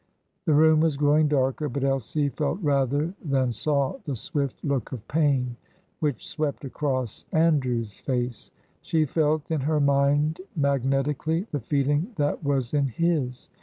The room was growing darker, but Elsie felt rather than saw the swift look of pain which swept across Andrew's face. She felt in her mind, magnetically, the feeling that was in his.